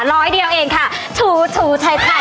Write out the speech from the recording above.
ร้อยเดียวเองค่ะถูถูใช้ใช้